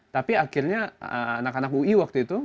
tapi akhirnya anak anak ui waktu itu